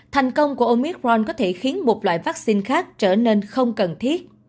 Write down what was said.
thành công của omicron có thể khiến một loại vaccine khác trở nên không cần thiết